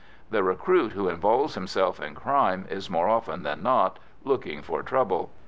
The recruit who involves himself in "crime" is, more often than not, looking for trouble.